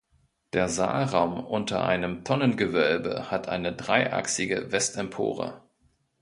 Der Saalraum unter einem Tonnengewölbe hat eine dreiachsige Westempore.